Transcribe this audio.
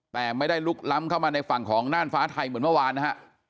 แต่ไม่ได้ลุกล้ำเข้ามาในฝั่งของน่านฟ้าไทยเหมือนเมื่อวานนะฮะ